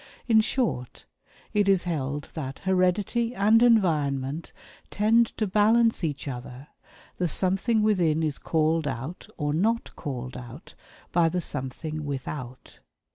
In short, it is held that heredity and environment tend to balance each other the "something within" is called out (or not called out) by the "something without."